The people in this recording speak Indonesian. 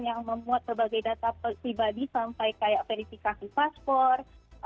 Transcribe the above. yang memuat berbagai data pribadi sampai kayak verifikasi paspor